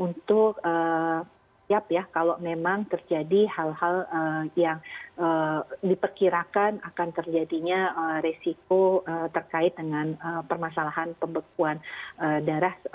untuk siap ya kalau memang terjadi hal hal yang diperkirakan akan terjadinya resiko terkait dengan permasalahan pembekuan darah